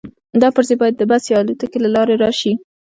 دا پرزې باید د بس یا الوتکې له لارې راشي